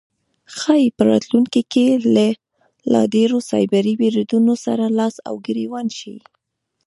ښایي په راتلونکی کې له لا ډیرو سایبري بریدونو سره لاس او ګریوان شي